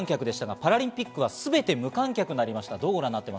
パラリンピックはすべて無観客になりました。